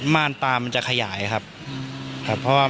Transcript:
ม่านตามันจะขยายครับเพราะว่า